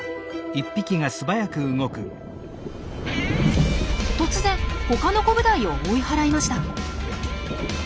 突然他のコブダイを追い払いました。